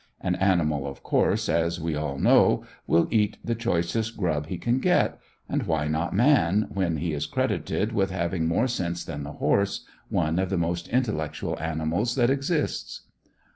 An animal of course, as we all know, will eat the choicest grub he can get; and why not man, when he is credited with having more sense than the horse, one of the most intellectual animals that exists?